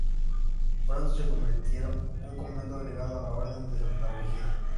Pronto se convirtieron un convento agregado a la Orden de Santa Brígida.